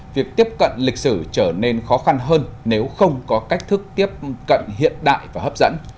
việc tiếp cận lịch sử trở nên khó khăn hơn nếu không có cách thức tiếp cận hiện đại và hấp dẫn